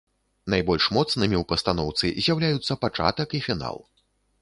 Найбольш моцнымі ў пастаноўцы з'яўляюцца пачатак і фінал.